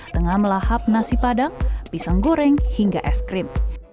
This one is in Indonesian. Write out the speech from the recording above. tengah melahap nasi padang pisang goreng hingga es krim